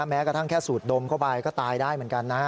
แม้กระทั่งแค่สูดดมเข้าไปก็ตายได้เหมือนกันนะ